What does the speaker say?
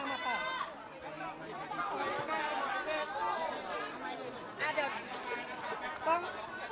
โอเคโอเคโอเคโอเค